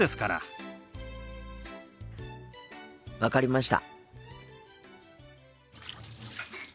分かりました。